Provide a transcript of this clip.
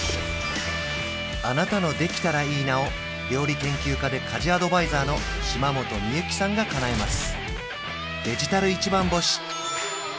あなたの「できたらいいな」を料理研究家で家事アドバイザーの島本美由紀さんがかなえます